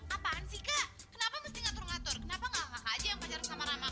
apaan sih kenapa ngatur ngatur kenapa nggak aja yang pacar sama rama